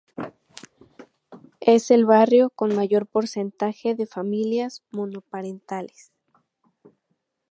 Es el barrio con mayor porcentaje de familias monoparentales.